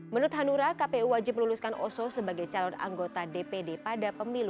menurut hanura kpu wajib meluluskan oso sebagai calon anggota dpd pada pemilu dua ribu sembilan belas